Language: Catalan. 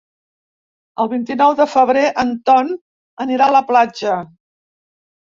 El vint-i-nou de febrer en Ton anirà a la platja.